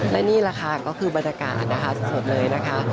และนี่แหละค่ะก็คือบรรยากาศนะคะสดเลยนะคะ